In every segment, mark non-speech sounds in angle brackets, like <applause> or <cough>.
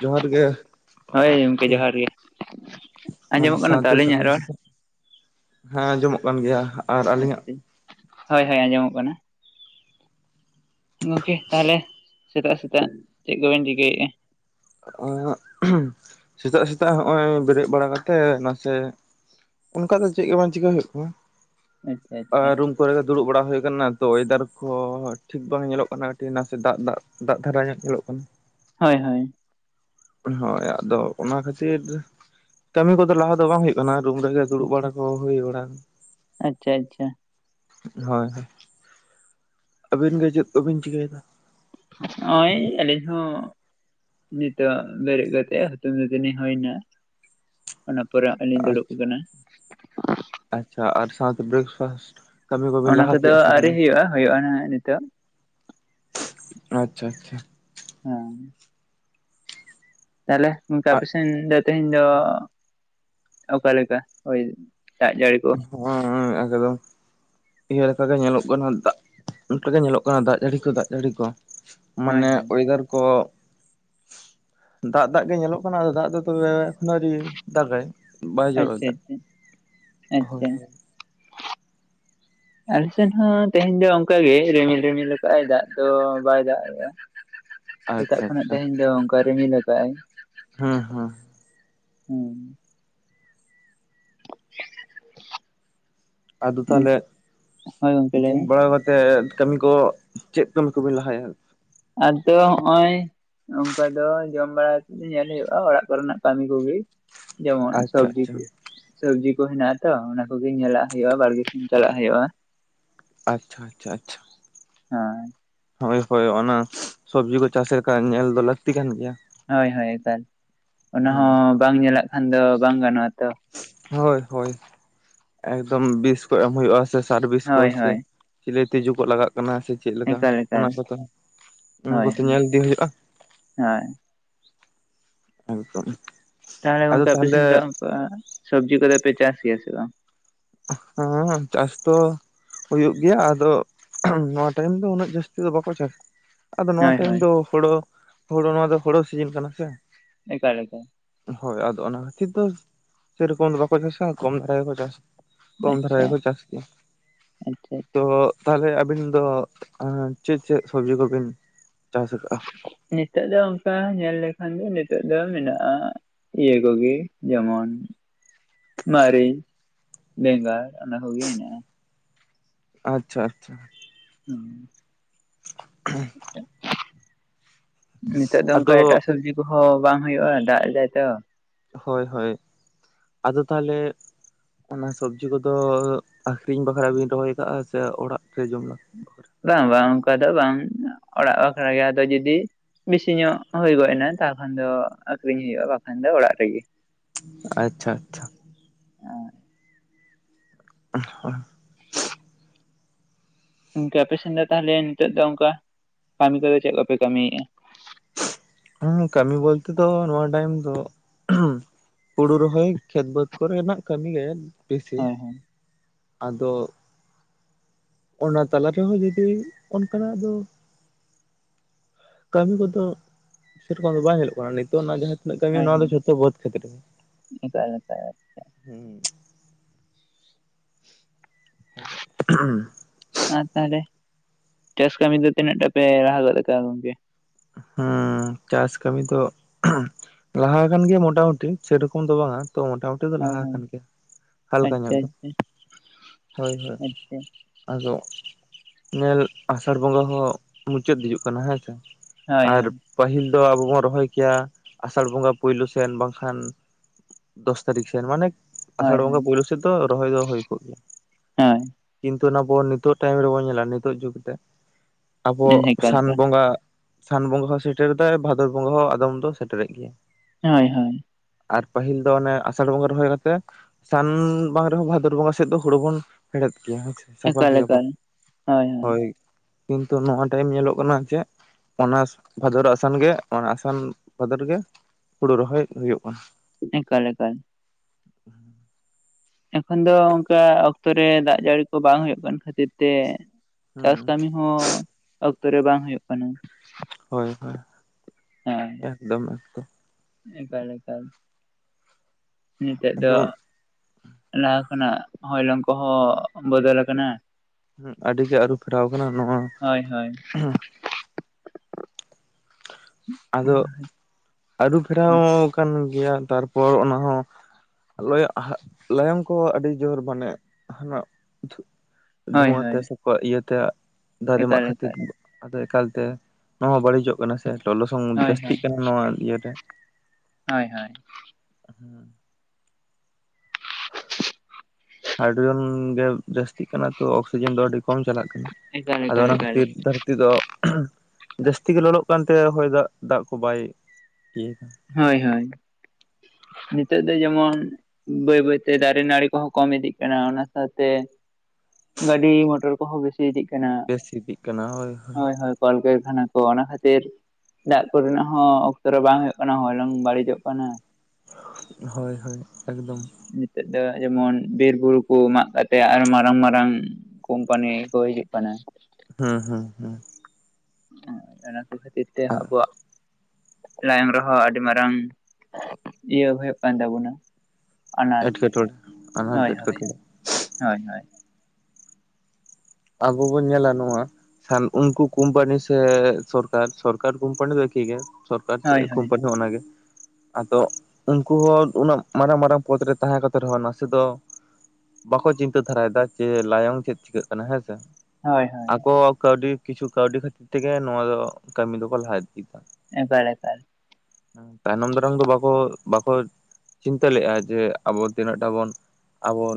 ᱡᱚᱦᱟᱨ ᱜᱮ ᱦᱳᱭ ᱜᱚᱢᱠᱮ ᱡᱚᱦᱟᱨ ᱜᱮ ᱟᱸᱡᱚᱢᱚᱜ ᱠᱟᱱᱟ ᱛᱚ ᱥᱟᱶᱛᱮ ᱟᱹᱞᱤᱧᱟᱜ ᱥᱟᱹᱜᱩᱱ ᱨᱚᱲ ᱥᱮᱛᱟᱜ᱾ ᱦᱮᱸ ᱟᱸᱡᱚᱢᱚᱜ ᱠᱟᱱ ᱜᱮᱭᱟ᱾ ᱟᱨ ᱟᱹᱞᱤᱧᱟᱜ ᱟᱪᱪᱷᱟ ᱾ ᱦᱳᱭ ᱦᱳᱭ ᱟᱸᱡᱚᱢᱚᱜ ᱠᱟᱱᱟ᱾ ᱜᱚᱢᱠᱮ ᱛᱟᱦᱚᱞᱮ ᱥᱮᱛᱟᱜ ᱥᱮᱛᱟᱜ ᱪᱮᱫ ᱠᱚᱵᱮᱱ ᱪᱤᱠᱟᱹᱭᱮᱫᱼᱟ? ᱦᱚᱜᱚᱭ ᱚᱜ ᱥᱮᱛᱟᱜ ᱥᱮᱛᱟᱜ ᱦᱚᱸᱜᱼᱚᱭ ᱵᱮᱨᱮᱫ ᱵᱟᱲᱟ ᱠᱟᱛᱮᱜ ᱱᱟᱥᱮ ᱚᱱᱠᱟ ᱫᱚ ᱪᱮᱫ ᱜᱮ ᱵᱟᱝ ᱪᱤᱠᱠᱟ ᱦᱩᱭᱩᱜ ᱠᱟᱱᱟ᱾ ᱟᱪᱪᱷᱟ ᱟᱪᱪᱷᱟ ᱟᱨ ᱨᱩᱢ ᱠᱚᱨᱮ ᱜᱮ ᱫᱩᱲᱩᱵ ᱵᱟᱲᱟ ᱦᱩᱭ ᱠᱟᱱᱟ ᱛᱚ ᱚᱭᱮᱫᱟᱨ ᱠᱚᱦᱚᱸ ᱴᱷᱤᱠ ᱵᱟᱝ ᱧᱮᱞᱚᱜ ᱠᱟᱱᱟ ᱠᱟᱹᱴᱤ ᱱᱟᱥᱮ ᱫᱟᱜ ᱫᱟᱜ ᱫᱟᱜ ᱫᱷᱟᱨᱟ ᱧᱚᱜ ᱧᱮᱞᱚᱜ ᱠᱟᱱᱟ᱾ ᱦᱳᱭ ᱦᱳᱭ᱾ ᱦᱳᱭ ᱟᱫᱚ ᱚᱱᱟ ᱠᱷᱟᱹᱛᱤᱨ ᱠᱟᱹᱢᱤ ᱠᱚᱫᱚ ᱞᱟᱦᱟ ᱫᱚ ᱵᱟᱝ ᱦᱩᱭᱩᱜ ᱠᱟᱱᱟ ᱨᱩᱢ ᱨᱮᱜᱮ ᱫᱩᱲᱩᱵ ᱵᱟᱲᱟ ᱦᱚ ᱦᱩᱭ ᱵᱟᱲᱟᱜ ᱟᱪᱷᱟ ᱟᱪᱷᱟ, ᱦᱳᱭ ᱦᱳᱭ ᱟᱹᱵᱤᱱ ᱜᱮ ᱪᱮᱫ ᱠᱚᱵᱤᱱ ᱪᱤᱠᱟᱹᱭ ᱮᱫᱟ? ᱦᱚᱜ-ᱚᱭ ᱟᱹᱞᱤᱧ ᱦᱚᱸ ᱱᱤᱛᱚᱜ ᱵᱮᱲᱮᱫ ᱠᱟᱛᱮ ᱦᱩᱛᱩᱢ ᱫᱟᱹᱛᱟᱹᱱᱤ ᱦᱩᱭᱱᱟ, ᱚᱱᱟ ᱯᱚᱨᱮ ᱦᱚᱜ-ᱚᱭ ᱞᱤᱧ ᱫᱩᱲᱩᱵ ᱟᱠᱟᱱᱟ᱾ ᱟᱪᱷᱟ ᱟᱨ ᱥᱟᱶᱛᱮ ᱵᱨᱮᱠᱯᱷᱟᱥᱴ? ᱠᱟᱹᱢᱤ ᱠᱚᱵᱤᱱ ᱚᱱᱟ ᱞᱟᱦᱟ ᱠᱚᱫᱚ ᱠᱮᱜᱼᱟ ᱥᱮ ᱟᱹᱣᱨᱤ ᱵᱟᱝ ᱦᱩᱭᱩᱜ-ᱟ ᱦᱩᱭᱩᱜ ᱟᱱᱟ ᱦᱟᱸᱜ ᱱᱤᱛᱚᱜ᱾ ᱟᱪᱪᱷᱟ ᱟᱪᱪᱷᱟ ᱦᱮᱸ ᱛᱟᱦᱞᱮ ᱚᱱᱠᱟ ᱟᱨ ᱟᱯᱮ ᱥᱮᱱ ᱫᱚ ᱛᱮᱦᱮᱧ ᱫᱚ ᱚᱠᱟ ᱞᱮᱠᱟ ᱦᱚᱭ ᱫᱟᱜ ᱡᱟᱹᱲᱤ ᱠᱚ? ᱦᱚᱜ-ᱚᱭ ᱮᱠᱫᱚᱢ ᱤᱭᱟᱹ ᱞᱮᱠᱟ ᱜᱮ ᱧᱮᱞᱚᱜ ᱠᱟᱱᱟ ᱫᱟᱜ ᱤᱱᱠᱟ ᱜᱮ ᱧᱮᱞᱚᱜ ᱠᱟᱱᱟ ᱫᱟᱜ ᱡᱟᱹᱲᱤ ᱠᱚ ᱫᱟᱜ ᱡᱟᱹᱲᱤ ᱠᱚ ᱦᱳᱭ ᱢᱟᱱᱮ ᱦᱳᱭ ᱚᱭᱮᱫᱟᱨ ᱠᱚ ᱫᱟᱜ ᱫᱟᱜ ᱜᱮ ᱧᱮᱞᱚᱜ ᱠᱟᱱᱟ ᱟᱫᱚ ᱫᱟᱜ ᱫᱚ ᱛᱚᱵᱮ ᱮᱠᱷᱚᱱᱚ ᱟᱹᱣᱨᱤ ᱫᱟᱜᱟᱭ᱾ ᱵᱟᱭ ᱟᱪᱪᱷᱟ ᱡᱚᱨᱚᱭᱮᱫᱟ ᱟᱪᱪᱷᱟ ᱦᱳᱭ ᱟᱪᱪᱷᱟ ᱦᱳᱭ ᱟᱞᱮ ᱥᱮᱱ ᱦᱚᱸ ᱛᱮᱦᱮᱧ ᱫᱚ ᱚᱱᱠᱟᱜ ᱜᱮ ᱨᱤᱢᱤᱞ ᱨᱤᱢᱤᱞ ᱟᱠᱟᱜ ᱟᱭ ᱫᱟᱜ ᱫᱚ ᱵᱟᱭ ᱫᱟᱜ ᱮᱫᱟ᱾ ᱥᱮᱛᱟᱜ ᱟᱪᱪᱷᱟ ᱠᱷᱚᱱᱟᱜ ᱟᱪᱪᱷᱟ ᱛᱮᱦᱮᱧ ᱫᱚ ᱚᱝᱠᱟᱭ ᱨᱤᱢᱤᱞ ᱟᱠᱟᱜ ᱟᱭ᱾ ᱦᱮᱸ ᱦᱮᱸ ᱦᱩᱸ ᱟᱫᱚ ᱛᱟᱦᱚᱞᱮ ᱦᱳᱭ ᱜᱚᱝᱠᱮ ᱞᱟᱹᱭ ᱡᱚᱢ ᱢᱮ ᱵᱟᱲᱟ ᱠᱟᱛᱮᱫ ᱠᱟᱹᱢᱤ ᱠᱚ ᱪᱮᱫ ᱠᱟᱹᱢᱤ ᱠᱚᱵᱤᱱ ᱞᱟᱦᱟᱭᱟ? ᱟᱫᱚ ᱦᱚᱜᱼᱚᱭ ᱚᱱᱠᱟ ᱫᱚ ᱡᱚᱢ ᱵᱟᱲᱟ ᱠᱟᱛᱮᱫ ᱜᱤ ᱧᱮᱞ ᱦᱩᱭᱩᱜ-ᱟ ᱚᱲᱟᱜ ᱠᱚ ᱨᱮᱱᱟᱜ ᱠᱟᱹᱢᱤ ᱠᱚᱜᱤ᱾ ᱡᱮᱢᱚᱱ ᱟᱪᱪᱷᱟ ᱥᱚᱵᱽᱡᱤ ᱟᱪᱪᱷᱟ ᱠᱩ ᱥᱚᱵᱽᱡᱤ ᱠᱚ ᱦᱮᱱᱟᱜ-ᱟ ᱛᱚ ᱚᱱᱟ ᱠᱚᱜᱮ ᱧᱮᱞᱟᱜ ᱦᱩᱭᱩᱜ-ᱟ ᱵᱟᱲᱜᱤ ᱥᱤᱱ ᱪᱟᱞᱟᱜ ᱦᱩᱭᱩᱜ-ᱟ᱾ ᱟᱪᱷᱟ ᱟᱪᱪᱷᱟ ᱟᱪᱪᱷᱟ ᱦᱮᱸ ᱦᱳᱭ ᱦᱳᱭ ᱚᱱᱟ ᱥᱚᱵᱽᱡᱤ ᱠᱚ ᱪᱟᱥ ᱞᱮᱠᱟ ᱧᱮᱞ ᱫᱚ ᱞᱟᱹᱠᱛᱤ ᱠᱟᱱ ᱜᱮᱭᱟ᱾ ᱦᱳᱭ ᱦᱳᱭ ᱮᱠᱟᱞ ᱚᱱᱟ ᱦᱮᱸ ᱦᱚᱸ ᱵᱟᱝ ᱧᱮᱞᱟᱜ ᱠᱷᱟᱱ ᱫᱚ ᱵᱟᱝ ᱜᱟᱱᱚᱜ-ᱟ ᱛᱚ᱾ ᱦᱳᱭ ᱦᱳᱭ ᱮᱠᱫᱚᱢ ᱵᱤᱥ ᱠᱚ ᱮᱢ ᱦᱩᱭᱩᱜ-ᱟ ᱥᱮ ᱥᱟᱨ ᱵᱤᱥ ᱠᱚ ᱦᱳᱭ ᱥᱮ ᱦᱳᱭ ᱪᱤᱞᱤ ᱛᱤᱡᱩ ᱠᱚ ᱞᱟᱜᱟᱜ ᱠᱟᱱᱟ ᱥᱮ ᱪᱮᱫ ᱞᱮᱠᱟ ᱮᱠᱟᱞ ᱚᱱᱟ ᱮᱠᱟᱞ ᱠᱚᱫᱚ ᱚᱱᱟ ᱠᱚᱛᱮ ᱧᱮᱞ ᱤᱫᱤ ᱦᱩᱭᱩᱜ-ᱟ᱾ ᱦᱮᱸ ᱮᱠᱫᱚᱢ, ᱦᱮᱸ ᱟᱫᱚ ᱜᱚᱝᱠᱮ ᱟᱯᱮ ᱛᱟᱦᱚᱞᱮ ᱥᱮᱱ <inaudible> ᱥᱚᱵᱽᱡᱤ ᱠᱚᱫᱚ ᱯᱮ ᱪᱟᱥ ᱜᱮᱭᱟ ᱥᱮ ᱵᱟᱝ? ᱦᱚᱸ ᱪᱟᱥ ᱛᱚ ᱦᱩᱭᱩᱜ ᱜᱮᱭᱟ ᱟᱫᱚ ᱱᱚᱣᱟ ᱴᱟᱭᱤᱢ ᱫᱚ ᱩᱱᱟᱹᱜ ᱡᱟᱹᱥᱛᱤ ᱫᱚ ᱵᱟᱠᱚ ᱪᱟᱥᱟ᱾ ᱟᱫᱚ ᱱᱚᱣᱟ ᱦᱳᱭ ᱴᱟᱭᱤᱢ ᱦᱳᱭ ᱫᱚ ᱦᱳᱲᱳ ᱦᱳᱲᱳ ᱱᱚᱣᱟ ᱫᱚ ᱦᱳᱲᱳ ᱥᱤᱡᱤᱱ ᱠᱟᱱᱟ ᱥᱮ᱾ ᱮᱠᱟᱞ ᱮᱠᱟᱞ, ᱦᱳᱭ ᱟᱫᱚ ᱚᱱᱟ ᱠᱷᱟᱹᱛᱤᱨ ᱫᱚ ᱥᱮᱨᱚᱠᱚᱢ ᱵᱟᱠᱚ ᱪᱟᱥᱟ ᱠᱚᱢ ᱫᱷᱟᱨᱟ ᱜᱮᱠᱚ ᱪᱟᱥᱟ, ᱠᱚᱢ ᱫᱷᱟᱨᱟ ᱟᱪᱪᱷᱟ ᱜᱮᱠᱚ ᱪᱟᱥ ᱜᱮᱭᱟ᱾ ᱟᱪᱪᱷᱟ ᱛᱚ ᱛᱟᱦᱚᱞᱮ ᱟᱵᱤᱱ ᱫᱚ ᱮᱸ ᱪᱮᱫ ᱪᱮᱫ ᱥᱚᱵᱽᱡᱤ ᱠᱚᱵᱤᱱ ᱪᱟᱥ ᱟᱠᱟᱜ-ᱟ? ᱱᱤᱛᱚᱜ ᱫᱚ ᱚᱱᱠᱟ ᱧᱮᱞ ᱞᱮᱠᱷᱟᱱ ᱫᱚ ᱱᱤᱛᱚᱜ ᱢᱮᱱᱟᱜ-ᱟ ᱰᱤᱭᱟᱹ ᱠᱚᱜᱮ ᱡᱮᱢᱚᱱ ᱢᱟᱹᱨᱤᱪ, ᱵᱮᱸᱜᱟᱲ, ᱚᱱᱟ ᱠᱚᱜᱮ ᱦᱮᱱᱟᱜ-ᱟ᱾ ᱟᱪᱪᱷᱟ ᱟᱪᱪᱷᱟ ᱾ ᱦᱮᱸ᱾ <unintelligible> ᱱᱤᱛᱚᱜ ᱫᱚ ᱚᱱᱠᱟ ᱟᱫᱚ ᱮᱴᱟᱜ ᱥᱚᱵᱽᱡᱤ ᱠᱚᱦᱚᱸ ᱵᱟᱝ ᱦᱳᱭᱳᱜᱼᱟ ᱫᱟᱜ ᱫᱟᱭ ᱛᱚ ᱾ ᱦᱳᱭ ᱦᱳᱭ ᱟᱫᱚ ᱛᱟᱦᱚᱞᱮ ᱚᱱᱟ ᱥᱚᱵᱽᱡᱤ ᱠᱚᱫᱚ ᱟᱹᱠᱷᱨᱤᱧ ᱵᱟᱠᱷᱨᱟ ᱵᱤᱱ ᱨᱚᱦᱚᱭ ᱟᱠᱟᱜᱼᱟ, ᱥᱮ ᱚᱲᱟᱜ ᱨᱮ ᱡᱚᱢ ᱞᱮᱠᱟ? ᱵᱟᱝ ᱵᱟᱝ ᱚᱱᱠᱟ ᱫᱚ ᱵᱟᱝ ᱚᱲᱟᱜ ᱵᱟᱠᱷᱨᱟ ᱜᱮ ᱟᱫᱚ ᱡᱩᱫᱤ ᱵᱮᱥᱤ ᱧᱚᱜ ᱦᱩᱭ ᱜᱚᱫ ᱮᱱᱟ ᱛᱟᱠᱷᱟᱱ ᱫᱚ ᱟᱹᱠᱷᱨᱤᱧ ᱦᱩᱭᱩᱜᱼᱟ ᱾ ᱵᱟᱠᱷᱟᱱ ᱫᱚ ᱚᱲᱟᱜ ᱨᱮ ᱜᱮ ᱾ ᱟᱪᱪᱷᱟ ᱟᱪᱪᱷᱟ᱾ ᱟᱨ <unintelligible> ᱤᱱᱠᱟᱹ ᱟᱯᱮ ᱥᱮᱱ ᱫᱚ ᱛᱟᱦᱞᱮ ᱱᱤᱛᱚᱜ ᱫᱚ ᱚᱱᱠᱟ ᱠᱟᱹᱢᱤ ᱠᱚᱫᱚ ᱪᱮᱫ ᱠᱚᱯᱮ ᱠᱟᱹᱢᱤᱭᱮᱫᱼᱟ? ᱦᱮᱸ ᱠᱟᱹᱢᱤ ᱵᱚᱞᱛᱮ ᱫᱚ ᱱᱚᱣᱟ ᱴᱟᱭᱤᱢ ᱫᱚ ᱦᱩᱲᱩ ᱨᱚᱦᱚᱭ ᱠᱷᱮᱛ ᱵᱟᱹᱫᱽ ᱠᱚᱨᱮᱱᱟᱜ ᱠᱟᱹᱢᱤᱜ ᱵᱮᱥᱤ ᱦᱳᱭ ᱦᱳᱭ ᱟᱫᱚ ᱚᱱᱟ ᱛᱟᱞᱟ ᱨᱮᱦᱚᱸ ᱡᱩᱫᱤ ᱚᱱᱠᱟᱱᱟᱜ ᱫᱚ ᱠᱟᱹᱢᱤ ᱠᱚᱫᱚ ᱥᱮᱨᱚᱠᱚᱢ ᱫᱚ ᱵᱟᱭ ᱧᱮᱞᱚᱜ ᱠᱟᱱᱟ ᱾ ᱱᱤᱛᱚᱜ ᱨᱮᱱᱟᱜ ᱡᱟᱦᱟᱸ ᱛᱤᱱᱟᱹᱜ ᱠᱟᱹᱢᱤ ᱦᱳᱭ ᱱᱚᱣᱟ ᱫᱚ ᱦᱳᱭ ᱡᱷᱴᱚᱛᱚ ᱵᱟᱹᱫᱽ ᱠᱷᱮᱛᱨᱮ ᱜᱮ ᱮᱠᱟᱞ ᱮᱠᱟᱞ ᱦᱮᱸ ᱾ <unintelligible> ᱟᱨ ᱛᱟᱦᱚᱞᱮ ᱪᱟᱥ ᱠᱟᱹᱢᱤ ᱫᱚ ᱛᱤᱱᱟᱹᱜ ᱴᱟ ᱯᱮ ᱞᱟᱦᱟ ᱜᱚᱫ ᱠᱟᱜᱼᱟ ᱜᱚᱢᱠᱮ? ᱦᱮᱸ ᱪᱟᱥ ᱠᱟᱹᱢᱤ ᱫᱚ, ᱞᱟᱦᱟ ᱟᱠᱟᱱ ᱜᱮᱭᱟ ᱢᱳᱴᱟ ᱢᱩᱴᱤ ᱥᱮᱨᱚᱠᱚᱢ ᱫᱚ ᱵᱟᱝᱟ ᱛᱚ ᱢᱳᱴᱟᱢᱩᱴᱤ, ᱱᱚᱛᱮ ᱫᱚ ᱦᱳᱭ ᱞᱟᱦᱟ ᱦᱳᱭ ᱟᱠᱟᱱ ᱜᱮᱭᱟ, ᱦᱟᱞᱠᱟ ᱟᱪᱪᱷᱟ ᱧᱚᱜ ᱜᱮ, ᱟᱪᱪᱷᱟ ᱦᱳᱭ ᱦᱳᱭ᱾ ᱟᱪᱪᱷᱟ ᱟᱫᱚ ᱧᱮᱞ ᱟᱥᱟᱲ ᱵᱚᱸᱜᱟ ᱦᱚᱸ ᱢᱩᱪᱟᱹᱫ ᱦᱤᱡᱩᱜ ᱠᱟᱱᱟ ᱦᱮᱸᱥᱮ ᱾ ᱦᱳᱭ ᱟᱨ ᱦᱳᱭ ᱯᱟᱹᱦᱤᱞ ᱫᱚ ᱟᱵᱚ ᱵᱚᱱ ᱨᱚᱦᱚᱭ ᱠᱮᱭᱟ ᱟᱥᱟᱲ ᱵᱚᱸᱜᱟ ᱯᱳᱭᱞᱳ ᱥᱮᱱ ᱵᱟᱝᱠᱷᱟᱱ, ᱫᱚᱥ ᱛᱟᱹᱨᱤᱠᱷ ᱥᱮᱱ ᱢᱟᱱᱮ ᱦᱳᱭ ᱟᱥᱟᱲ ᱦᱳᱭ ᱵᱚᱸᱜᱟ ᱯᱳᱭᱞᱳ ᱥᱮᱫ ᱫᱚ ᱨᱚᱦᱚᱭ ᱫᱚ ᱦᱩᱭ ᱠᱚᱜ ᱜᱮᱭᱟ ᱾ ᱦᱳᱭ ᱠᱤᱱᱛᱩ ᱟᱵᱚ ᱱᱤᱛᱚᱜ ᱴᱟᱭᱤᱢ ᱨᱮᱵᱚᱱ ᱧᱮᱞᱟ ᱱᱤᱛᱚᱜ ᱡᱩᱜᱽ ᱨᱮ, ᱟᱵᱚ ᱮᱠᱟᱞ ᱥᱟᱱ ᱮᱠᱟᱞ ᱵᱚᱸᱜᱟ ᱥᱟᱱ ᱵᱚᱸᱜᱟ ᱦᱚᱸ ᱥᱮᱴᱮᱨ ᱫᱟᱭ, ᱵᱷᱟᱫᱚᱨ ᱵᱚᱸᱜᱟ ᱦᱚᱸ ᱟᱫᱚᱢ ᱫᱚ ᱥᱮᱴᱮᱨᱮᱫ ᱜᱮᱭᱟ ᱾ ᱦᱳᱭ ᱦᱳᱭ᱾ ᱟᱨ ᱯᱟᱹᱦᱤᱞ ᱫᱚ ᱚᱱᱮ ᱟᱥᱟᱲ ᱵᱚᱸᱜᱟ ᱨᱚᱦᱚᱭ ᱠᱟᱛᱮᱜ ᱥᱟᱱ ᱵᱟᱝ ᱨᱮᱦᱚᱸ ᱵᱷᱟᱫᱚᱨ ᱵᱚᱸᱜᱟ ᱥᱮᱫ ᱫᱚ ᱦᱩᱲᱩ ᱵᱚᱱ ᱦᱮᱲᱦᱮᱫ ᱜᱮᱭᱟ ᱾ ᱥᱟᱯᱷᱟ ᱮᱠᱟᱞ ᱠᱮᱭᱟᱵᱚᱱ, ᱮᱠᱟᱞ ᱦᱳᱭ ᱾ ᱠᱤᱱᱛᱩ ᱱᱚᱣᱟ ᱴᱟᱭᱤᱢ ᱧᱮᱞᱚᱜ ᱠᱟᱱᱟ ᱪᱮᱫ, ᱚᱱᱟ ᱵᱷᱟᱫᱚᱨ ᱟᱥᱟᱱ ᱜᱮ ᱚᱱᱟ ᱟᱥᱟᱱ ᱵᱷᱟᱫᱚᱨ ᱜᱮ ᱦᱩᱲᱩ ᱨᱚᱦᱚᱭ ᱦᱩᱭᱩᱜ ᱠᱟᱱᱟ ᱾ ᱮᱠᱟᱞ ᱮᱠᱟᱞ ᱾ ᱮᱠᱷᱚᱱ ᱫᱚ ᱚᱱᱠᱟ ᱚᱠᱛᱚ ᱨᱮ ᱫᱟᱜ ᱡᱟᱹᱲᱤ ᱠᱚ ᱵᱟᱝ ᱦᱩᱭᱩᱜ ᱠᱟᱱ ᱠᱷᱟᱹᱛᱤᱨ ᱛᱮ ᱪᱟᱥ ᱦᱩᱸ ᱠᱟᱹᱢᱤ ᱦᱚᱸ ᱚᱠᱛᱚ ᱨᱮ ᱵᱟᱝ ᱦᱩᱭᱩᱜ ᱠᱟᱱᱟ ᱾ ᱦᱳᱭ ᱦᱳᱭ ᱮᱠᱫᱚᱢ ᱮᱠᱫᱚᱢ ᱾ ᱮᱠᱟᱞ ᱮᱠᱟᱞ᱾ ᱱᱤᱛᱚᱜ ᱫᱚ ᱟᱫᱚ ᱞᱟᱦᱟ ᱠᱷᱚᱱᱟᱜ ᱦᱚᱭᱞᱚᱝ ᱠᱚᱦᱚᱸ ᱵᱚᱫᱚᱞ ᱟᱠᱟᱱᱟ ᱾ ᱦᱩᱸ ᱟᱹᱰᱤ ᱜᱮᱴᱮ ᱟᱹᱨᱩ ᱯᱷᱮᱨᱟᱣ ᱟᱠᱟᱱᱟ ᱾ ᱱᱚᱣᱟ ᱦᱳᱭ ᱦᱳᱭ ᱟᱫᱚ ᱟᱹᱨᱩ ᱯᱷᱮᱨᱟᱣ ᱟᱠᱟᱱ ᱜᱮᱭᱟ ᱛᱟᱨᱯᱚᱨ ᱚᱱᱟ ᱦᱚᱸ ᱞᱟᱭᱚᱝ ᱠᱚ ᱟᱹᱰᱤ ᱡᱳᱨ ᱢᱟᱱᱮ ᱦᱳᱭ ᱫᱷᱩᱣᱟᱹ ᱛᱮ ᱦᱳᱭ ᱥᱮᱠᱚᱣᱟᱜ ᱤᱭᱟᱹᱛᱮ ᱫᱟᱨᱮ ᱢᱟᱜ ᱮᱠᱟᱞ ᱠᱷᱟᱹᱛᱤᱨ ᱮᱠᱟᱞ ᱟᱫᱚ ᱮᱠᱟᱞ ᱛᱮ ᱱᱚᱣᱟ ᱵᱟᱹᱲᱤᱡᱚᱜ ᱠᱟᱱᱟ ᱥᱮ ᱞᱚᱞᱚᱥᱚᱝ ᱦᱳᱭ ᱡᱟᱹᱥᱛᱤᱜ ᱠᱟᱱᱟ ᱱᱚᱣᱟ ᱤᱭᱟᱹ ᱨᱮ ᱦᱚᱭ ᱦᱚᱭ ᱾ <unintelligible> ᱦᱟᱭᱰᱨᱳᱡᱚᱱ ᱜᱮ ᱡᱟᱹᱥᱛᱤᱜ ᱠᱟᱱᱟ ᱛᱚ ᱚᱠᱥᱤᱡᱮᱱ ᱫᱚ ᱟᱹᱰᱤ ᱠᱚᱢ ᱪᱟᱞᱟᱜ ᱠᱟᱱᱟ ᱮᱠᱟᱞ ᱟᱫᱚ ᱮᱠᱟᱞ ᱚᱱᱟ ᱮᱠᱟᱞ ᱠᱷᱟᱹᱛᱤᱨ ᱫᱷᱟᱨᱮ ᱛᱤ ᱫᱚᱜ ᱡᱟᱹᱥᱛᱤ ᱜᱮ ᱞᱚᱞᱚᱜ ᱠᱟᱱᱛᱮ ᱦᱚᱭ ᱫᱟᱜ ᱫᱟᱜ ᱠᱩ ᱵᱟᱭ ᱤᱭᱟᱹᱭᱫᱟ᱾ ᱦᱳᱭ ᱦᱳᱭ ᱱᱤᱛᱚᱜ ᱫᱚ ᱡᱮᱢᱚᱱ ᱵᱟᱹᱭ ᱵᱟᱹᱭ ᱛᱮ ᱫᱟᱨᱮ ᱱᱟᱹᱲᱤ ᱠᱚᱦᱚᱸ ᱠᱚᱢ ᱤᱫᱤᱜ ᱠᱟᱱᱟ ᱚᱱᱟ ᱥᱟᱶᱛᱮ ᱜᱟᱹᱰᱤ ᱢᱚᱴᱚᱨ ᱠᱚᱦᱚᱸ ᱵᱮᱥᱤ ᱤᱫᱤᱜ ᱠᱟᱱᱟ ᱵᱮᱥ ᱤᱫᱤᱜ ᱠᱟᱱᱟ ᱦᱳᱭ ᱦᱳᱭ ᱠᱚᱞ ᱠᱟᱹᱨᱠᱷᱟᱱᱟ ᱠᱚ ᱚᱱᱟ ᱠᱷᱟᱹᱛᱤᱨ ᱫᱟᱜ ᱠᱚᱨᱮᱱᱟᱜ ᱦᱚᱸ ᱚᱠᱛᱚ ᱨᱮ ᱵᱟᱝ ᱦᱳᱭᱳᱜ ᱚᱱᱟ ᱦᱚᱭᱞᱚᱝ ᱵᱟᱹᱲᱤᱡᱚᱜ ᱠᱟᱱᱟ᱾ ᱦᱳᱭ ᱦᱳᱭ ᱮᱠᱫᱚᱢ ᱱᱤᱛᱚᱜ ᱫᱚ ᱡᱮᱢᱚᱱ ᱵᱤᱨ-ᱵᱩᱨᱩ ᱠᱩ ᱢᱟᱜ ᱠᱟᱛᱮᱜ ᱟᱨ ᱢᱟᱨᱟᱝ ᱢᱟᱨᱟᱝ ᱠᱳᱢᱯᱟᱱᱤ ᱠᱚ ᱦᱤᱡᱩᱜ ᱠᱟᱱᱟ ᱠᱩ ᱦᱩᱸ ᱦᱩᱸ ᱦᱩᱸ ᱚᱱᱟ ᱠᱚ ᱠᱷᱟᱹᱛᱤᱨ ᱛᱮᱦᱚᱸ ᱟᱵᱚᱣᱟᱜ ᱞᱟᱭᱚᱝ ᱨᱮᱦᱚᱸ ᱟᱹᱰᱤ ᱢᱟᱨᱟᱝ ᱤᱭᱟᱹ ᱦᱳᱭᱳᱜ ᱠᱟᱱ ᱛᱟᱵᱚᱱᱟ᱾ ᱟᱱᱟᱴ ᱮᱴᱠᱮᱴᱚᱲᱮ ᱟᱸᱱᱟᱴ ᱦᱳᱭ ᱦᱳᱭ ᱮᱴᱠᱮᱴᱚᱲᱮ ᱦᱳᱭ ᱦᱳᱭ ᱟᱵᱩ ᱵᱩᱱ ᱧᱮᱞᱟ ᱱᱚᱣᱟ ᱠᱷᱟᱱ ᱩᱝᱠᱩ ᱠᱩᱢᱯᱟᱹᱱᱤ ᱥᱮ ᱥᱚᱨᱠᱟᱨ ᱥᱚᱨᱠᱟᱨ ᱠᱩᱢᱯᱟᱹᱱᱤ ᱫᱚ ᱮᱠᱤ ᱜᱮᱭᱟ ᱥᱚᱨ ᱟᱨ ᱪᱮᱜ ᱦᱳᱭ ᱦᱳᱭ ᱠᱩᱢᱯᱟᱹᱱᱤ ᱚᱱᱟᱜᱮ ᱟᱫᱚ ᱩᱝᱠᱩ ᱦᱚᱸ ᱩᱱᱟᱹᱜ ᱢᱟᱨᱟᱝ ᱢᱟᱨᱟᱝ ᱯᱚᱫᱽ ᱨᱮ ᱛᱟᱦᱮᱸ ᱠᱟᱛᱮ ᱨᱮᱦᱚᱸ ᱱᱟᱥᱮ ᱫᱚ ᱵᱟᱠᱚ ᱪᱤᱱᱛᱟᱹ ᱫᱷᱟᱨᱟᱭᱮᱫᱟ ᱡᱮ ᱞᱟᱭᱚᱝ ᱪᱮᱫ ᱪᱤᱠᱟᱹᱜ ᱠᱟᱱᱟ ᱦᱮᱸᱥᱮ ᱦᱳᱭ ᱦᱳᱭ ᱦᱳᱭ ᱟᱠᱚᱣᱟᱜ ᱠᱟᱹᱣᱰᱤ ᱠᱤᱪᱷᱩ ᱠᱟᱹᱣᱰᱤ ᱠᱷᱟᱹᱛᱤᱨ ᱛᱮᱜᱮ ᱱᱚᱣᱟ ᱫᱚ ᱠᱟᱹᱢᱤ ᱫᱚᱠᱚ ᱞᱟᱦᱟ ᱤᱫᱤᱭ ᱫᱟ᱾ ᱮᱠᱟᱞ ᱮᱠᱟᱞ ᱛᱟᱭᱱᱚᱢ ᱫᱟᱨᱟᱢ ᱫᱚ ᱵᱟᱠᱚ ᱵᱟᱠᱚ ᱪᱤᱱᱛᱟᱹ ᱞᱮᱜ-ᱟ ᱡᱮ ᱟᱵᱚ ᱛᱤᱱᱟᱹᱜ ᱴᱟ ᱵᱚᱱ ᱟᱵᱚᱱ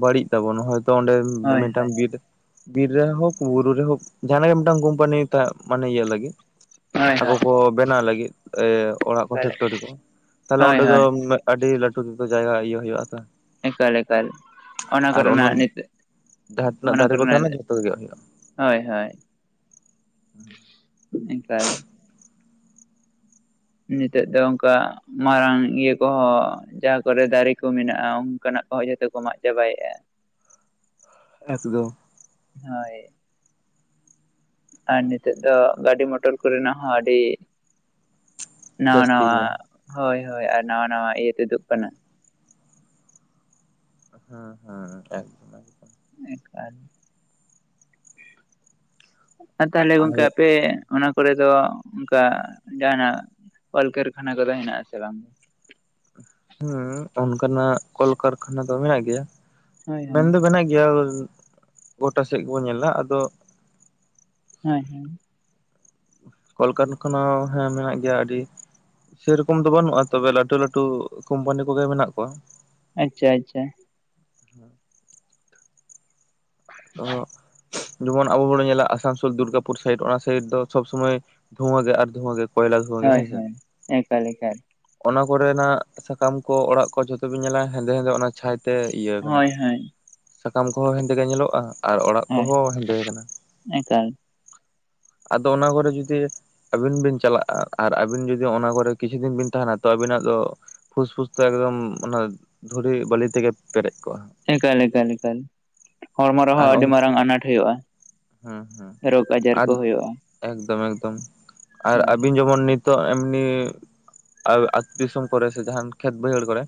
ᱵᱟᱹᱲᱤᱡ ᱫᱟᱵᱚᱱ ᱦᱳᱭᱛᱚ ᱚᱸᱰᱮ ᱩᱸ ᱩᱸ ᱦᱳᱭ ᱢᱤᱫᱴᱟᱝ ᱦᱳᱭ <unintelligible> ᱵᱤᱨ ᱨᱮ ᱦᱚᱠ ᱵᱩᱨᱩ ᱨᱮ ᱦᱚᱠ ᱡᱟᱦᱟᱸᱱᱟᱜ ᱜᱮ ᱢᱤᱫᱴᱟᱝ ᱠᱚᱢᱯᱟᱹᱱᱤ ᱛᱟᱦᱮᱸ ᱢᱟᱱᱮ ᱤᱭᱟᱹ ᱞᱟᱹᱜᱤᱫ ᱦᱳᱭ ᱟᱠᱚ ᱦᱳᱭ ᱠᱚ ᱵᱮᱱᱟᱣ ᱞᱟᱹᱜᱤᱫ ᱮ ᱚᱲᱟᱜ ᱠᱚ ᱮᱠᱟᱞ ᱯᱷᱮᱠᱴᱚᱨᱤ ᱠᱚ ᱛᱟᱞᱚᱦᱮ ᱦᱳᱭ ᱚᱸᱰᱮ ᱫᱚ ᱦᱳᱭ ᱢᱮᱫ ᱟᱰᱤ ᱞᱟᱴᱩ ᱯᱤᱯᱟᱹ <unintelligible> ᱡᱟᱭᱜᱟ ᱤᱭᱟᱹ ᱦᱩᱭᱩᱜ-ᱟ ᱛᱚ ᱮᱠᱟᱞ ᱮᱠᱟᱞ ᱚᱱᱟ ᱠᱚᱨᱮᱱᱟᱜ ᱱᱤᱛᱚᱜ ᱡᱟᱦᱟᱸ ᱛᱤᱱᱟᱹᱜ ᱚᱱᱟ ᱫᱟᱨᱮ ᱠᱚ ᱠᱚᱨᱮᱱᱟᱜ ᱛᱟᱦᱮᱱᱟ ᱡᱷᱚᱛᱚ ᱜᱮ ᱦᱩᱭᱩᱜᱼᱟ ᱦᱳᱭ ᱦᱳᱭ ᱮᱠᱟᱞ ᱱᱤᱛᱚᱜ ᱫᱚ ᱚᱝᱠᱟ ᱢᱟᱨᱟᱝ ᱤᱭᱟᱹ ᱠᱚᱦᱚᱸ ᱡᱟᱦᱟᱸ ᱠᱚᱨᱮ ᱫᱟᱨᱮ ᱠᱚ ᱢᱮᱱᱟᱜ-ᱟ ᱚᱱᱠᱟᱱᱟᱜ ᱠᱚᱦᱚᱸ ᱡᱚᱛᱚ ᱠᱚ ᱢᱟᱜ ᱪᱟᱵᱟᱭᱮᱜ-ᱟ᱾ ᱮᱠᱫᱚ ᱦᱳᱭ ᱟᱨ ᱱᱤᱛᱚᱜ ᱫᱚ ᱜᱟᱹᱰᱤ ᱢᱚᱴᱚᱨ ᱠᱚᱨᱮᱱᱟᱜ ᱦᱚᱸ ᱟᱹᱰᱤ ᱱᱟᱣᱟ ᱡᱟᱹᱥᱛᱤ ᱱᱟᱣᱟ ᱠᱟᱱᱟ ᱦᱳᱭ ᱦᱳᱭ ᱟᱨ ᱱᱟᱣᱟ ᱱᱟᱣᱟ ᱤᱭᱟᱹ ᱛᱩᱫᱩᱜ ᱠᱟᱱᱟ᱾ ᱦᱚᱸ ᱦᱚᱸ ᱮᱠ ᱮᱠᱟᱞ ᱟᱨ ᱛᱟᱦᱟᱞᱮ ᱜᱚᱝᱠᱮ ᱟᱫᱚ ᱟᱯᱮ ᱚᱱᱟ ᱠᱚᱨᱮ ᱫᱚ ᱚᱱᱠᱟ ᱡᱟᱦᱟᱱᱟᱜ ᱠᱚᱞ ᱠᱟᱹᱨᱠᱷᱟᱱᱟ ᱠᱚᱫᱚ ᱦᱮᱱᱟᱜ-ᱟ ᱥᱮ ᱵᱟᱝ? ᱦᱩᱸ ᱚᱱᱠᱟᱱᱟᱜ ᱠᱚᱞ ᱠᱟᱨᱠᱷᱟᱱᱟ ᱫᱚ ᱢᱮᱱᱟᱜ ᱜᱮᱭᱟ᱾ ᱦᱳᱭ ᱢᱮᱱ ᱦᱳᱭ ᱫᱚ ᱢᱮᱱᱟᱜ ᱜᱮᱭᱟ ᱜᱚᱴᱟ ᱥᱮᱫ ᱜᱮᱵᱚᱱ ᱧᱮᱞᱟ ᱟᱫᱚ ᱦᱚᱸᱭ ᱦᱚᱸᱭ ᱠᱚᱞ ᱠᱟᱨᱠᱜᱟᱱᱟ ᱦᱮᱸ ᱢᱮᱱᱟᱜ ᱜᱮᱭᱟ ᱟᱹᱰᱤ ᱥᱮᱨᱚᱠᱚᱢ ᱫᱚ ᱵᱟᱹᱱᱩᱜ-ᱟ ᱛᱚᱵᱮ ᱞᱟᱹᱴᱩ ᱞᱟᱹᱴᱩ ᱠᱩᱢᱯᱟᱹᱱᱤ ᱠᱚᱜᱮ ᱢᱮᱱᱟᱜ ᱠᱚᱣᱟ᱾ ᱟᱪᱪᱷᱟ ᱟᱪᱪᱷᱟ᱾ ᱚᱦᱚᱜ ᱾ ᱡᱮᱢᱚᱱ ᱟᱵᱚ ᱵᱚᱱ ᱧᱮᱞᱟ ᱟᱥᱟᱱᱥᱳᱞ ᱫᱩᱨᱜᱟᱯᱩᱨ ᱥᱟᱭᱤᱰ ᱚᱱᱟ ᱥᱟᱭᱤᱰ ᱫᱚ ᱥᱚᱵᱽ ᱥᱚᱢᱚᱭ ᱫᱷᱩᱣᱟᱹ ᱜᱮ ᱟᱨ ᱫᱷᱩᱣᱟᱹ ᱜᱮ᱾ ᱠᱚᱭᱞᱟ ᱫᱷᱩᱣᱟᱹ ᱜᱮ ᱦᱳᱭ ᱦᱮᱸᱥᱮ ᱦᱳᱭ ᱮᱠᱟᱞ ᱮᱠᱟᱞ᱾ ᱚᱱᱟ ᱠᱚᱨᱮᱱᱟᱜ ᱥᱟᱠᱟᱢ ᱠᱚ ᱚᱲᱟᱜ ᱠᱚ ᱡᱚᱛᱚ ᱵᱤᱱ ᱧᱮᱞᱟ ᱦᱮᱸᱫᱮ ᱦᱮᱸᱫᱮ ᱚᱱᱟ ᱪᱷᱟᱭ ᱛᱮ ᱤᱭᱟᱹ ᱠᱟᱱᱟ ᱦᱳᱭ ᱦᱳᱭ ᱥᱟᱠᱟᱢ ᱠᱚᱦᱚᱸ ᱦᱮᱸᱫᱮ ᱜᱮ ᱧᱮᱞᱚᱜᱼᱟ᱾ ᱟᱨ ᱚᱲᱟᱜ ᱦᱳᱭ ᱠᱚᱦᱚᱸ ᱦᱮᱸᱫᱮ ᱠᱟᱱᱟ᱾ ᱮᱠᱟᱞ ᱟᱫᱚ ᱚᱱᱟ ᱠᱚᱨᱮ ᱡᱩᱫᱤ ᱟᱹᱵᱤᱱ ᱵᱤᱱ ᱪᱟᱞᱟᱜᱼᱟ ᱟᱨ ᱟᱵᱤᱱ ᱡᱩᱫᱤ ᱚᱱᱟ ᱠᱚᱨᱮ ᱠᱤᱪᱷᱩ ᱫᱤᱱ ᱵᱤᱱ ᱛᱟᱦᱮᱱᱟ ᱛᱚ ᱟᱵᱤᱱᱟᱜ ᱫᱚ ᱯᱷᱩᱥ ᱯᱷᱩᱥ ᱫᱚ ᱮᱠᱫᱚᱢ ᱚᱱᱟ ᱫᱷᱩᱲᱤ ᱵᱟᱞᱤ ᱛᱮᱜᱮ ᱯᱮᱨᱮᱡ ᱠᱚᱜᱼᱟ᱾ ᱮᱠᱟᱞ ᱮᱠᱟᱞ ᱮᱠᱟᱞ᱾ ᱦᱚᱲᱢᱚ ᱨᱮᱦᱚᱸ ᱟᱨ ᱟᱹᱰᱤ ᱦᱮᱸ ᱢᱟᱨᱟᱝ ᱟᱱᱟᱴ ᱦᱩᱭᱩᱜᱼᱟ ᱦᱮᱸ ᱨᱳᱜᱽ ᱟᱡᱟᱨ ᱟᱨ ᱠᱚ ᱦᱩᱭᱩᱜᱼᱟ᱾ ᱮᱠᱫᱚᱢ ᱮᱠᱫᱚᱢ ᱟᱨ ᱦᱳᱭ ᱟᱹᱵᱤᱱ ᱡᱮᱢᱚᱱ ᱱᱤᱛᱚᱜ ᱮᱢᱱᱤ ᱟᱹᱛᱩ ᱫᱤᱥᱚᱢ ᱠᱚᱨᱮ ᱥᱮ ᱡᱟᱦᱟᱱ ᱠᱷᱮᱛ ᱵᱟᱹᱭᱦᱟᱹᱲ ᱠᱚᱨᱮ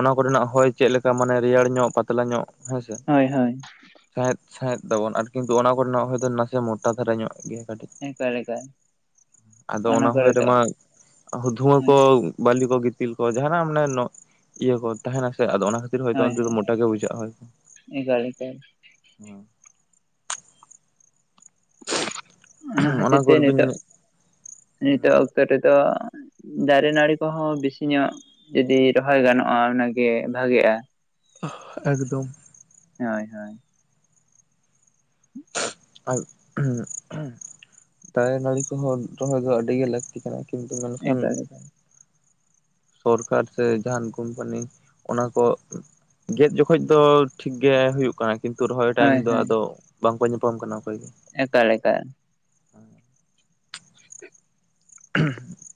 ᱚᱱᱟ ᱠᱚᱨᱮᱱᱟᱜ ᱦᱚᱭ ᱪᱮᱫ ᱞᱮᱠᱟ ᱢᱟᱱᱮ ᱨᱮᱭᱟᱲ ᱧᱚᱜ ᱯᱟᱛᱞᱟ ᱧᱚᱜ ᱦᱮᱸᱥᱮ᱾ ᱦᱳᱭ ᱦᱳᱭ᱾ ᱥᱟᱸᱦᱮᱫ ᱥᱟᱸᱦᱮᱫ ᱫᱟᱵᱚᱱ ᱟᱨ ᱠᱤᱱᱛᱩ ᱚᱱᱟ ᱠᱚᱨᱮᱱᱟᱜ ᱦᱚᱲ ᱫᱚ ᱱᱟᱥᱮ ᱢᱚᱴᱟ ᱫᱷᱟᱨᱟ ᱧᱚᱜ ᱜᱮᱭᱟ ᱠᱟᱹᱴᱤᱡ᱾ ᱮᱠᱟᱞ ᱮᱠᱟᱞ᱾ ᱟᱫᱚ ᱚᱱᱟ ᱦᱚᱭ ᱠᱚᱨᱮ ᱫᱚ ᱨᱮᱢᱟ ᱫᱷᱩᱣᱟᱹ ᱦᱳᱭ ᱠᱚ ᱵᱟᱞᱤ ᱠᱚ ᱜᱮ ᱛᱤᱞ ᱠᱚ ᱡᱟᱦᱱᱟᱜ ᱢᱟᱱᱮ ᱤᱭᱟᱹ ᱠᱚ ᱛᱟᱦᱮᱱᱟ ᱥᱮ ᱟᱫᱚ ᱚᱱᱟ ᱠᱷᱟᱹᱛᱤᱨ ᱦᱳᱭᱛᱳ ᱦᱳᱭ ᱦᱳᱭ ᱢᱚᱴᱟ ᱜᱮ ᱵᱩᱡᱷᱟᱹᱜᱼᱟ ᱦᱳᱭ᱾ ᱮᱠᱟᱞ ᱮᱠᱟᱞ ᱾ <unintelligible> ᱚᱱᱟ ᱠᱷᱟᱹᱛᱤᱨ ᱛᱮ ᱱᱤᱛᱚᱜ ᱱᱤᱛᱚᱜ ᱚᱠᱛᱚ ᱨᱮᱫᱚ ᱫᱟᱨᱮ ᱱᱟᱹᱲᱤ ᱠᱚᱦᱚ ᱵᱮᱥᱤ ᱧᱚᱜ ᱡᱩᱫᱤ ᱨᱚᱦᱚᱭ ᱜᱟᱱᱚᱜᱼᱟ ᱚᱱᱟᱜᱮ ᱵᱷᱟᱜᱮᱼᱟ᱾ ᱮᱠᱫᱚᱢ᱾ ᱦᱳᱭ ᱦᱳᱭ᱾ <inaudible> ᱟᱨ ᱫᱟᱨᱮ ᱱᱟᱹᱲᱤ ᱠᱚᱦᱚᱸ ᱨᱚᱦᱚᱭ ᱫᱚ ᱟᱹᱰᱤ ᱜᱮ ᱞᱟᱹᱠᱛᱤ ᱠᱟᱱᱟ᱾ ᱠᱤᱱᱛᱩ ᱢᱮᱱᱠᱷᱟᱱ ᱮᱠᱟᱞ ᱮᱠᱟᱞ ᱥᱚᱨᱠᱟᱨ ᱥᱮ ᱡᱟᱦᱟᱱ ᱠᱳᱢᱯᱟᱱᱤ ᱚᱱᱟ ᱠᱚ ᱜᱮᱫ ᱡᱚᱠᱷᱚᱡ ᱫᱚ ᱴᱷᱤᱠ ᱜᱮ ᱦᱩᱭᱩᱜ ᱠᱟᱱᱟ ᱠᱤᱱᱛᱩ ᱨᱚᱦᱚᱭ ᱴᱟᱭᱤᱢ ᱦᱳᱭ ᱫᱚ ᱦᱳᱭ ᱟᱫᱚ ᱵᱟᱝᱠᱚ ᱧᱟᱯᱟᱢ ᱠᱟᱱᱟ ᱚᱠᱚᱭ ᱜᱮ᱾ ᱮᱠᱟᱞ ᱮᱠᱟᱞ᱾ <unintelligible>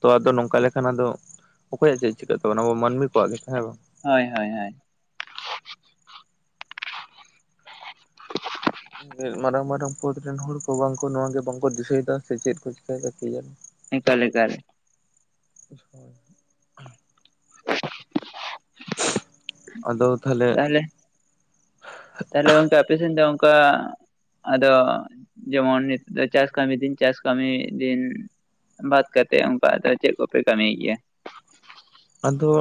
ᱛᱚ ᱟᱫᱚ ᱱᱚᱝᱠᱟ ᱞᱮᱠᱷᱟᱱ ᱟᱫᱚ ᱚᱠᱚᱭᱟᱜ ᱪᱮᱫ ᱪᱤᱠᱟᱹᱜ ᱛᱟᱵᱚᱱᱟ ᱟᱵᱚ ᱢᱟᱱᱢᱤ ᱠᱚᱣᱟᱜ ᱜᱮ ᱛᱚᱦᱮᱸ ᱵᱟᱝ? ᱦᱳᱭ ᱦᱳᱭ ᱦᱳᱭ᱾ <unintelligible> ᱢᱟᱨᱟᱝ ᱢᱟᱨᱟᱝ ᱯᱚᱫ ᱨᱮᱱ ᱦᱚᱲ ᱠᱚ ᱵᱟᱝᱠᱚ ᱱᱚᱣᱟ ᱜᱮ ᱵᱟᱝᱠᱚ ᱫᱤᱥᱟᱹᱭᱮᱫᱟ ᱥᱮ ᱪᱮᱫ ᱠᱚ ᱪᱮᱤᱠᱟᱹᱭ ᱫᱟ ᱠᱤᱡᱟᱱᱤ ᱾ ᱮᱠᱟᱞ ᱮᱠᱟᱞ᱾ <unintelligible> ᱟᱫᱚ ᱛᱟᱦᱚᱞᱮ ᱛᱟᱦᱞᱮ ᱜᱚᱝᱠᱮ ᱟᱯᱮ ᱥᱮᱱ ᱫᱚ ᱚᱱᱠᱟ ᱟᱫᱚ ᱡᱮᱢᱚᱱ ᱱᱤᱛᱚᱜ ᱫᱚ ᱪᱟᱥ ᱠᱟᱹᱢᱤ ᱫᱤᱱ ᱪᱟᱥ ᱠᱟᱹᱢᱤ ᱫᱤᱱ ᱾ ᱵᱟᱫ ᱠᱟᱛᱮᱫ ᱚᱱᱠᱟ ᱟᱫᱚ ᱪᱮᱫ ᱠᱚᱯᱮ ᱠᱟᱹᱢᱤᱭ ᱜᱮᱭᱟ? ᱟᱫᱚ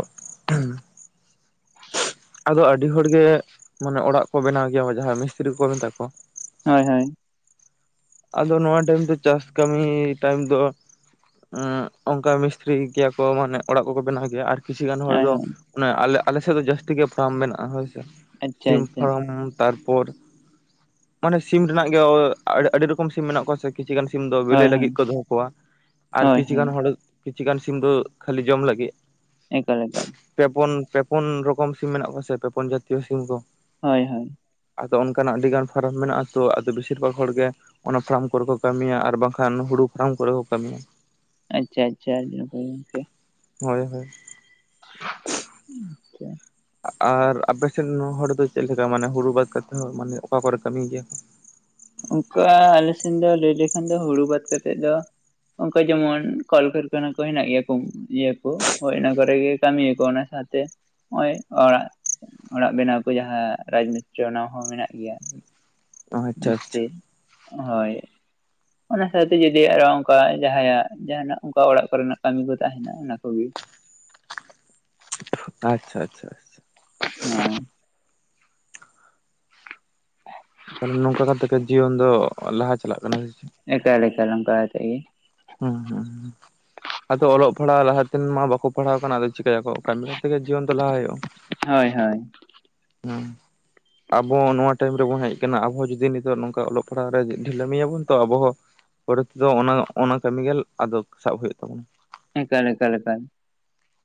ᱟᱫᱚ ᱟᱹᱰᱤ ᱦᱚᱲ ᱜᱮ ᱢᱟᱱᱮ ᱚᱲᱟᱜ ᱠᱚ ᱵᱮᱱᱟᱣ ᱜᱮᱭᱟ ᱡᱟᱦᱟᱸᱭ ᱢᱤᱥᱛᱤᱨᱤ ᱠᱚ ᱢᱮᱛᱟ ᱠᱚ ᱾ ᱦᱳᱭ ᱦᱳᱭ᱾ ᱟᱫᱚ ᱱᱚᱣᱟ ᱴᱟᱭᱤᱢ ᱫᱚ ᱪᱟᱥ ᱠᱟᱹᱢᱤ ᱴᱟᱭᱤᱢ ᱫᱚ ᱮᱸᱜ ᱚᱱᱠᱟ ᱢᱤᱥᱛᱤᱨᱤᱭ ᱜᱮᱭᱟ ᱠᱚ ᱢᱟᱱᱮ ᱚᱲᱟᱜ ᱠᱚᱠᱚ ᱵᱮᱱᱟᱣ ᱜᱮᱭᱟ ᱟᱨᱠᱤ᱾ ᱠᱤᱪᱷᱩ ᱜᱟᱱ ᱦᱚᱲ ᱦᱳᱭ ᱫᱚ ᱦᱳᱭ ᱚᱱᱮ ᱟᱞᱮ ᱟᱞᱮ ᱥᱮᱫ ᱫᱚ ᱡᱟᱹᱥᱛᱤ ᱜᱮ ᱯᱷᱟᱨᱟᱢ ᱢᱮᱱᱟᱜᱼᱟ ᱦᱳᱭ ᱥᱮ ᱟᱪᱪᱷᱟ ᱥᱤᱢ ᱟᱪᱪᱷᱟ ᱯᱷᱟᱨᱟᱢ᱾ ᱛᱟᱨᱯᱚᱨ, ᱢᱟᱱᱮ ᱥᱤᱢ ᱨᱮᱱᱟᱜ ᱜᱮ ᱚ ᱟᱹᱰᱤ ᱨᱚᱠᱚᱢ ᱥᱤᱢ ᱢᱮᱱᱟᱜ ᱠᱚᱣᱟ ᱥᱮ ᱾ ᱠᱤᱪᱷᱩ ᱜᱟᱱ ᱥᱤᱢ ᱫᱚ ᱵᱮᱞᱮ ᱦᱳᱭ ᱦᱳᱭ ᱞᱟᱹᱜᱤᱫ ᱠᱚ ᱫᱚᱦᱚ ᱠᱚᱣᱟ ᱟᱨ ᱦᱳᱭ ᱠᱤᱪᱷᱩ ᱜᱟᱱ ᱦᱳᱭ ᱦᱚᱲ ᱠᱤᱪᱷᱩ ᱜᱟᱱ ᱥᱤᱢ ᱫᱚ ᱠᱷᱟᱹᱞᱤ ᱡᱚᱢ ᱞᱟᱹᱜᱤᱫ ᱾ ᱮᱠᱟᱞ ᱮᱠᱟᱞ ᱾ ᱯᱮᱼᱯᱩᱱ, ᱯᱮᱼᱯᱩᱱ ᱨᱚᱠᱚᱢ ᱥᱤᱢ ᱢᱮᱱᱟᱜ ᱠᱚᱣᱟ ᱥᱮ ᱯᱮᱼᱯᱩᱱ ᱡᱟᱹᱛᱤᱭᱚ ᱥᱤᱢ ᱠᱚ ᱦᱳᱭ ᱦᱳᱭ᱾ ᱟᱫᱚ ᱚᱱᱠᱟᱱᱟᱜ ᱟᱹᱰᱤ ᱜᱟᱱ ᱯᱷᱟᱨᱟᱢ ᱢᱮᱱᱟᱜᱼᱟ ᱛᱚ ᱟᱫᱚ ᱵᱮᱥᱤᱨ ᱵᱷᱟᱜᱽ ᱦᱚᱲ ᱜᱮ ᱚᱱᱟ ᱯᱷᱟᱨᱟᱢ ᱠᱚᱨᱮ ᱠᱚ ᱠᱟᱹᱢᱤᱭᱟ ᱟᱨ ᱵᱟᱝ ᱠᱷᱟᱱ ᱦᱩᱲᱩ ᱯᱷᱟᱨᱟᱢ ᱠᱚᱨᱮ ᱠᱚ ᱠᱟᱹᱢᱤᱭᱟ ᱾ ᱟᱪᱪᱷᱟ ᱟᱪᱪᱷᱟ ᱦᱩᱸᱢ ᱜᱚᱝᱠᱮ᱾ ᱦᱳᱭ ᱦᱳᱭ᱾ <inaudible> ᱟᱪᱪᱷᱟ ᱟᱜ ᱟᱨ ᱟᱯᱮᱥᱮᱱ ᱦᱚᱲ ᱫᱚ ᱪᱮᱫ ᱞᱮᱠᱟ ᱢᱟᱱᱮ ᱦᱩᱲᱩ ᱵᱟᱫᱽ ᱠᱟᱛᱮ ᱦᱚᱸ ᱢᱟᱱᱮ ᱚᱠᱟ ᱠᱚᱨᱮ ᱠᱟᱹᱢᱤᱭ ᱜᱮᱭᱟ? ᱚᱱᱠᱟ ᱟᱞᱮ ᱥᱮᱱ ᱫᱚ ᱞᱟᱹᱭ ᱞᱮᱠᱷᱟᱱ ᱫᱚ ᱦᱩᱲᱩ ᱵᱟᱫ ᱠᱟᱛᱮᱜ ᱫᱚ ᱚᱠᱚᱭ ᱡᱮᱢᱚᱱ ᱠᱚᱞ ᱠᱟᱨᱠᱷᱟᱱᱟ ᱠᱚ ᱦᱮᱱᱟᱜ ᱜᱮᱭᱟ ᱠᱚ ᱤᱭᱟᱹᱠᱚ, ᱦᱳᱭ ᱚᱱᱟ ᱠᱚᱨᱮ ᱜᱮ ᱠᱟᱹᱢᱤᱭᱟ ᱠᱚ ᱚᱱᱟ ᱚᱱᱟ ᱛᱮ ᱦᱚᱸᱜᱼᱚᱭ ᱚᱲᱟᱜ᱾ ᱚᱲᱟᱜ ᱵᱮᱱᱟᱣ ᱠᱚ ᱡᱟᱦᱟᱸ ᱨᱟᱡᱽ ᱢᱤᱥᱛᱨᱤ ᱚᱱᱟ ᱦᱚᱸ ᱢᱮᱱᱟᱜ ᱜᱮᱭᱟ᱾ ᱟᱪᱪᱷᱟ ᱟᱪᱪᱷᱟ ᱢᱤᱥᱛᱨᱤ ᱦᱳᱭ ᱾ ᱚᱱᱟ ᱥᱟᱶᱛᱮ ᱡᱩᱫᱤ ᱟᱨᱚ ᱚᱱᱠᱟ ᱡᱟᱦᱟᱸᱭᱟᱜ ᱡᱟᱦᱟᱸᱱᱟᱜ ᱚᱱᱠᱟ ᱚᱲᱟᱜ ᱠᱚᱨᱮᱱᱟᱜ ᱠᱟᱹᱢᱤ ᱠᱚ ᱛᱟᱦᱮᱸᱱᱟ ᱚᱱᱟ ᱠᱚᱜᱮ ᱾ ᱟᱪᱪᱷᱟ ᱟᱪᱪᱷᱟ ᱟᱪᱪᱷᱟ᱾ <inaudible> ᱛᱟᱦᱚᱞᱮ ᱱᱚᱝᱠᱟ ᱠᱟᱛᱮᱜ ᱜᱮ ᱡᱤᱭᱚᱱ ᱫᱚ ᱚᱨ ᱞᱟᱦᱟ ᱪᱟᱞᱟᱜ ᱠᱟᱱᱟ ᱥᱮ ᱪᱮᱫ? ᱮᱠᱟᱞ ᱮᱠᱟᱞ ᱚᱱᱠᱟ ᱠᱟᱛᱮᱜ ᱜᱮ ᱾ ᱦᱮᱸ ᱦᱮᱸᱦᱮᱸ᱾ <inaudible> ᱟᱫᱚ ᱚᱞᱚᱜ ᱯᱟᱲᱦᱟᱣ ᱞᱟᱦᱟᱛᱮᱱ ᱢᱟ ᱵᱟᱠᱚ ᱯᱟᱲᱦᱟᱣ ᱠᱟᱱᱟ, ᱟᱫᱚ ᱪᱤᱠᱟᱭᱟᱠᱚ ᱠᱟᱹᱢᱤ ᱠᱟᱛᱮᱜᱮ ᱡᱤᱭᱚᱱ ᱫᱚ ᱞᱟᱦᱟ ᱦᱩᱭᱩᱜᱼᱟ ᱾ ᱦᱳᱭ ᱦᱳᱭ᱾ ᱦᱩᱸ ᱟᱵᱚ ᱱᱚᱣᱟ ᱴᱟᱭᱤᱢ ᱨᱮᱵᱚᱱ ᱦᱮᱡ ᱠᱟᱱᱟ, ᱟᱵᱚ ᱡᱩᱫᱤ ᱱᱤᱛᱚᱜ ᱱᱚᱝᱠᱟ ᱚᱞᱚᱜ ᱯᱟᱲᱦᱟᱜ ᱨᱮ ᱰᱷᱤᱞᱟᱹᱢᱤ ᱟᱵᱚᱱ ᱛᱚ ᱟᱵᱚ ᱦᱚᱸ ᱯᱚᱨᱮ ᱛᱮᱫᱚ ᱚᱱᱟ ᱚᱱᱟ ᱠᱟᱹᱢᱤ ᱜᱮ ᱟᱫᱚ ᱥᱟᱵ ᱦᱩᱭᱩᱜ ᱛᱟᱵᱚᱱᱟ ᱾ ᱮᱠᱟᱞ ᱮᱠᱟᱞ ᱮᱠᱟᱞ ᱾